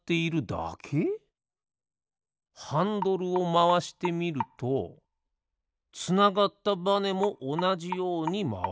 ハンドルをまわしてみるとつながったバネもおなじようにまわる。